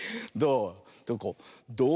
どう？